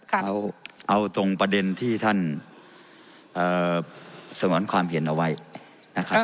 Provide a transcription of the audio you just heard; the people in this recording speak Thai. ครับเอาเอาตรงประเด็นที่ท่านเอ่อส่วนความเห็นเอาไว้นะครับ